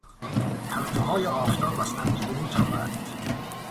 پرتوهای آفتاب از پنجره میتابیدند.